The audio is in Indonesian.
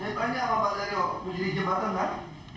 saya tanya pak dario berada di jembatan kan